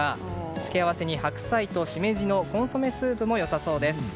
付け合わせに白菜とシメジのコンソメスープも良さそうです。